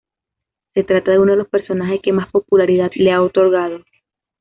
Se trata de uno de los personajes que más popularidad le ha otorgado.